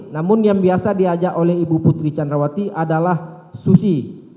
namun yang biasa diajak oleh ibu putri candrawati adalah susi